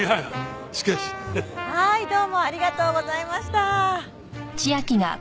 はーいどうもありがとうございました。